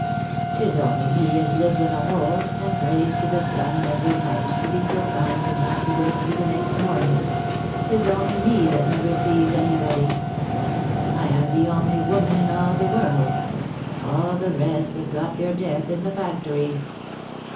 Tis only me as lives in a hole, and prays to the sun every night to be so kind as not to wake me the next morning ; 'tis only me that never sees any body. I am the only woman in all the world — all the rest have got their death in the factories."